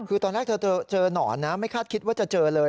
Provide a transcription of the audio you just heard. คือตอนแรกเธอเจอหนอนนะไม่คาดคิดว่าจะเจอเลย